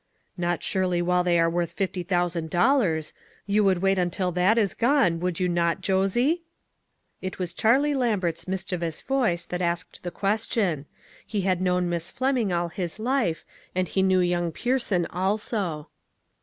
"Not surely while they are worth fifty thou sand dollars ! You would wait until that is gone, would you not, Josie?" It was Charlie Lambert's mischievous voice SHALL WE TRY? 99 that asked the question ; he had known Miss Fleming all his life, and he knew young Pierson, also.